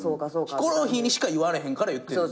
ヒコロヒーにしか言われへんから言ってんねんで。